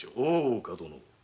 大岡殿。